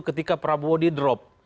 ketika prabowo di drop